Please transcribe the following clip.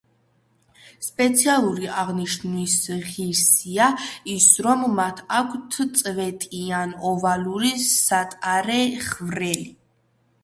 სპეციალური აღნიშვნის ღირსია ის, რომ მათ აქვთ წვეტიან-ოვალური სატარე ხვრელი.